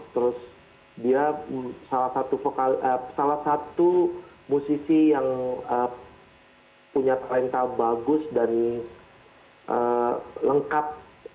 terus dia salah satu musisi yang punya talenta bagus dan lengkap